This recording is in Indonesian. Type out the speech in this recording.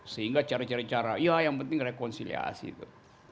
sehingga cara cari cara ya yang penting rekonsiliasi itu